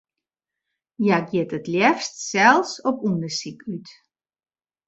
Hja giet it leafst sels op ûndersyk út.